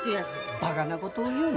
バカなことを言うな。